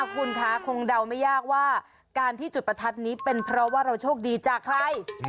คุณคะคงเดาไม่ยากว่าการที่จุดประทัดนี้เป็นเพราะว่าเราโชคดีจากใคร